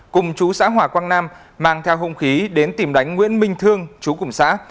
cùng chú xã hòa quang nam mang theo hung khí đến tìm đánh nguyễn minh thương chú cùng xã